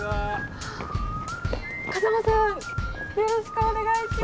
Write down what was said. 風間さんよろしくお願いします！